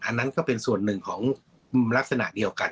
อันนั้นก็เป็นส่วนหนึ่งของลักษณะเดียวกัน